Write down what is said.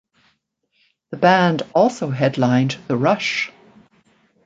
The band also headlined The Rush!